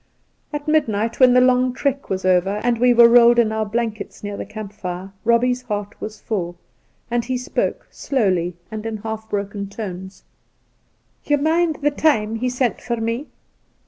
At midnight, when the long night trek was over, and we were rolled in our blankets near the camp fixe, Eobbie's heart was full, and he spoke — slowly and in half broken tones :' Ye mind the time he sent for me